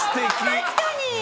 確かに！